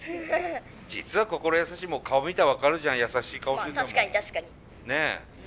実は心優しいも顔見たら分かるじゃん優しい顔してたもん。